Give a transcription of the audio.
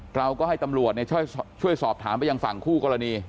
เราก็ให้ตำรวจช่วยสอบถามไปยังฝั่งคู่กรณี